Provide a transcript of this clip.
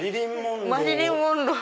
マリリン・モンロー。